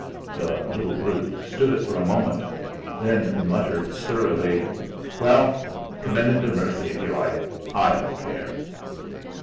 The "little brute" stood it for a moment, then muttered surlily: "Well, commend 'im to mercy if you like; I don't care."